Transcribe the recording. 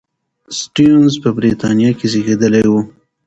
سټيونز په بریتانیا کې زېږېدلی و.